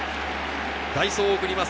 代走を送ります。